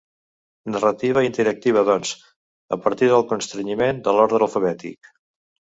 Narrativa interactiva doncs, a partir del constrenyiment de l'ordre alfabètic.